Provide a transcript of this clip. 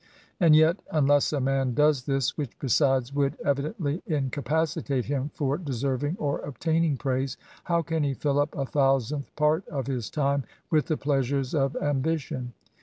And yet, unless a man does this (which besides would evidently incapacitate him for de serving or obtaining praise), how can he fill up a thousandth part of his time with the pleasures of ambition?"